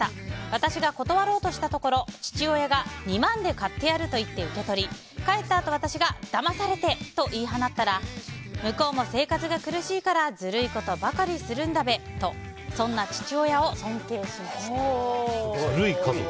私が断ろうとしたところ父親が、２万で買ってやると言って受け取り帰ったあと私がだまされて！と言い放ったら向こうも生活が苦しいからずるいことばかりするんだべとずるい家族。